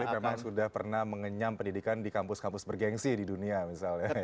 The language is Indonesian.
tapi memang sudah pernah mengenyam pendidikan di kampus kampus bergensi di dunia misalnya